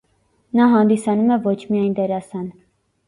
Նա հանդիսանում է ոչ միայն դերասան։